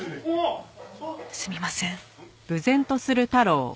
すみません。